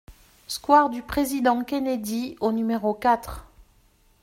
Square du Président Kennedy au numéro quatre